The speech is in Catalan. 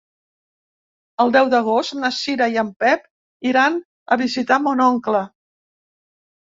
El deu d'agost na Cira i en Pep iran a visitar mon oncle.